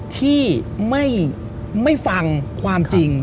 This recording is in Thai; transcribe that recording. ที่ไม่ฟังความจริง